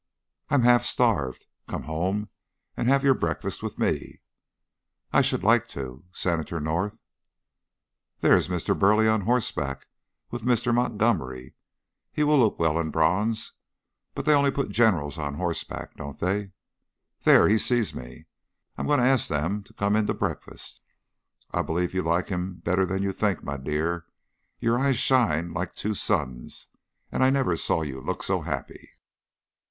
"I am half starved. Come home and have your breakfast with me." "I should like to. Senator North " "There is Mr. Burleigh on horseback with Mr. Montgomery. He will look well in bronze but they only put Generals on horseback, don't they? There he sees me. I am going to ask them to come in to breakfast." "I believe you like him better than you think, my dear. Your eyes shine like two suns, and I never saw you look so happy."